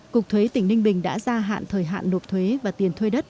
cục thuế tỉnh ninh bình đã gia hạn thời hạn nộp thuế và tiền thuê đất